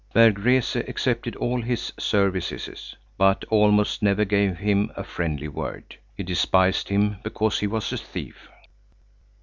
Berg Rese accepted all his services, but almost never gave him a friendly word. He despised him because he was a thief.